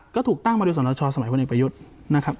ก็ถูกตั้งมาด้วยสนับชาติสมัยวนเอกประยุทธ์นะครับ